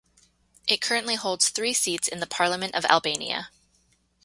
It currently holds three seats in the Parliament of Albania.